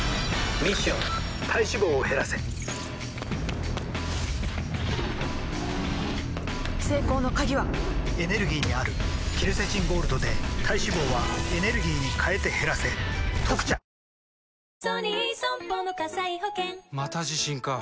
ミッション体脂肪を減らせ成功の鍵はエネルギーにあるケルセチンゴールドで体脂肪はエネルギーに変えて減らせ「特茶」ではこれからニュースを見ていきましょう。